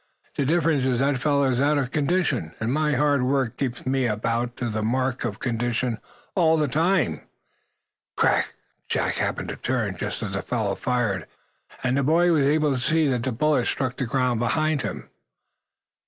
The difference is that that fellow is out of condition, and my hard work keeps me about up to the mark of condition all the time. He " Crack! Jack happened to turn, just as the fellow fired, and the boy was able to see that the bullet struck the ground behind him.